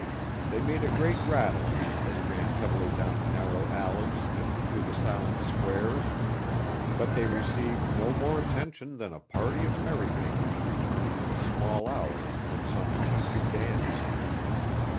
They made a great rattling as they ran heavily down the narrow alleys and through the silent squares, but they received no more attention than a party of merry makers returning in the small hours from some country dance.